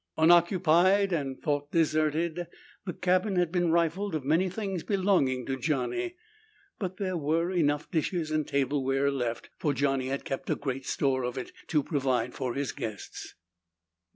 Unoccupied, and thought deserted, the cabin had been rifled of many things belonging to Johnny. But there were enough dishes and tableware left, for Johnny had kept a great store of it to provide for his guests.